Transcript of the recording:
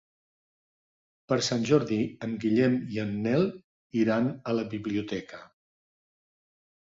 Per Sant Jordi en Guillem i en Nel iran a la biblioteca.